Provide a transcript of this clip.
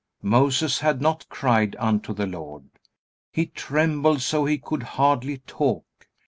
Moses had not cried unto the Lord. He trembled so he could hardly talk.